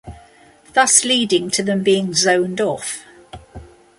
Thus leading to them being zoned off.